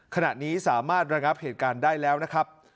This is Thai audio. ขณะนี้สามารถระงับเหตุการณ์ได้แล้วนะครับ